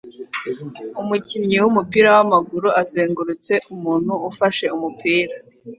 Umukinnyi wumupira wamaguru azengurutse umuntu ufashe umupira